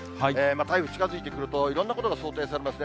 台風近づいてくるといろんなことが想定されますね。